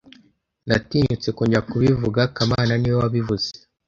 Natinyutse kongera kubivuga kamana niwe wabivuze